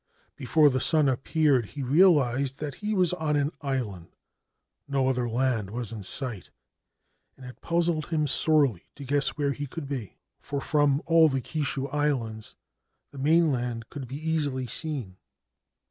Before the sun appeared he realised that he was on an island. No other land was in sight, and it puzzled him sorely to guess where he could be, for from all the Kishu islands the mainland could be easily seen.